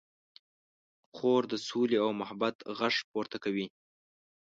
خور د سولې او محبت غږ پورته کوي.